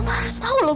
mama harus tahu loh